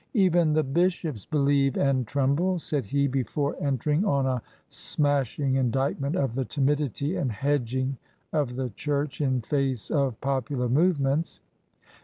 " Even the Bishops believe and tremble," said he, before entering on a smashing indictment of the timidity and hedging of the church in face of popular movements.